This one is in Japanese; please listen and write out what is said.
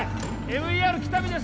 ＭＥＲ喜多見です